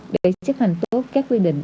để chấp hành tốt các quy định